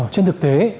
trên thực tế